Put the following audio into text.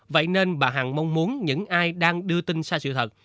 vậy nên bà hằng mong muốn những ai đang đưa tin sai sự thật